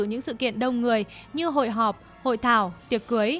những sự kiện đông người như hội họp hội thảo tiệc cưới